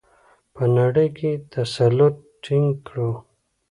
په نړۍ تسلط ټینګ کړو؟